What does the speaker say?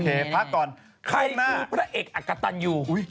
เออแกดู